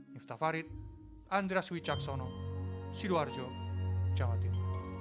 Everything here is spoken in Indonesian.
niftafarit andres wicaksono sidoarjo jawa timur